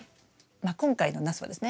まあ今回のナスはですね